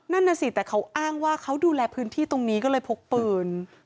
นั่นน่ะสิแต่เขาอ้างว่าเขาดูแลพื้นที่ตรงนี้ก็เลยพกปืน